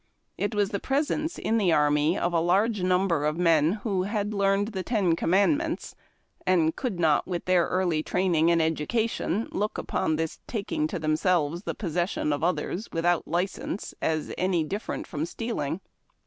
It was the presence in the army of a large number of men who had learned the ten commandments, and could not, with their early training and education, look upon this taking to them selves the possessions of others without license as any dif ferent from stealino